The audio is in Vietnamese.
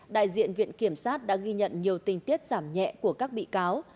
đại diện viện kiểm sát đã ghi nhận nhiều tình tiết giảm nhẹ của các bị cáo